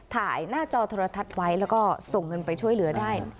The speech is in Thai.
ถ่ายหน้าจอโทรทัศน์ไว้แล้วก็ส่งเงินไปช่วยเหลือได้